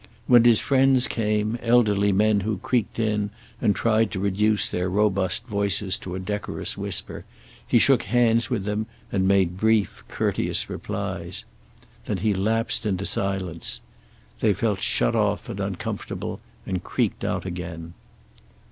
When his friends came, elderly men who creaked in and tried to reduce their robust voices to a decorous whisper, he shook hands with them and made brief, courteous replies. Then he lapsed into silence. They felt shut off and uncomfortable, and creaked out again.